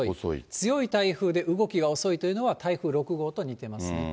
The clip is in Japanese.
強い台風で動きが遅いというのは、台風６号と似てますね。